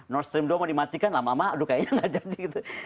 nord stream dua mau dimatikan lama lama aduh kayaknya nggak jadi gitu